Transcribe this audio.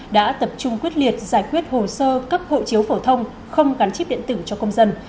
đã tập trung quyết liệt giải quyết hồ sơ cấp hộ chiếu phổ thông không gắn chip điện tử cho công dân